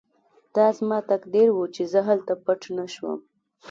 دا زما تقدیر و چې زه هلته پټ نه شوم